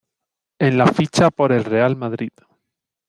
En la ficha por el Real Madrid.